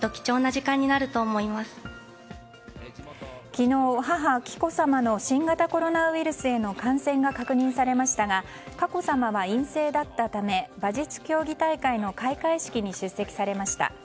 昨日、母・紀子さまの新型コロナウイルスへの感染が確認されましたが佳子さまは陰性だったため馬術競技大会の開会式に出席されました。